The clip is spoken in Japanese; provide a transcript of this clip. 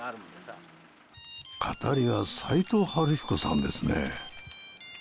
語りは斎藤晴彦さんですね。